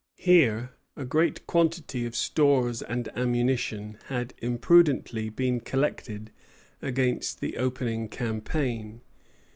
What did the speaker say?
Here a great quantity of stores and ammunition had imprudently been collected against the opening campaign.